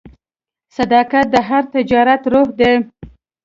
صداقت د هر تجارت روح دی.